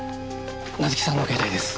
夏樹さんの携帯です。